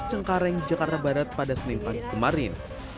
cengkareng jakarta barat pada senin pagi kemarin